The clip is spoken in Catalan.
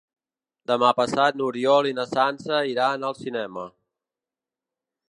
Demà passat n'Oriol i na Sança iran al cinema.